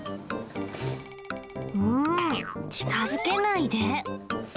んー、近づけないで。